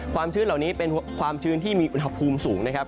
ชื้นเหล่านี้เป็นความชื้นที่มีอุณหภูมิสูงนะครับ